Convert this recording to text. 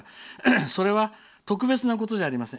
それは、特別なことじゃありません。